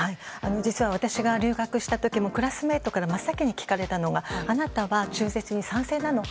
実は私が留学した時もクラスメートから真っ先に聞かれたのがあなたは中絶に賛成なの？